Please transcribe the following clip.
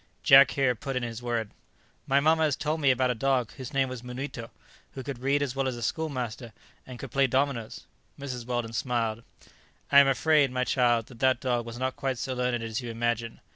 Jack here put in his word. "My mamma has told me about a dog whose name was Munito, who could read as well as a schoolmaster, and could play dominoes." Mrs. Weldon smiled. "I am afraid, my child, that that dog was not quite so learned as you imagine.